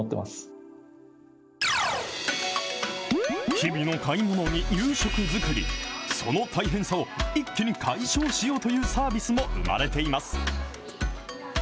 日々の買い物に、夕食作り、その大変さを一気に解消ようというサービスも生まれています。